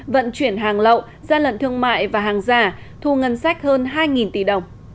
vận chuyển hàng lậu gian lận thương mại và hàng giả thu ngân sách hơn hai tỷ đồng